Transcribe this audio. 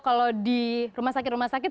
kalau di rumah sakit rumah sakit